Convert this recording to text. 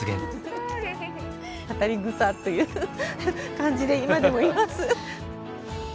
語りぐさという感じで今でもいます。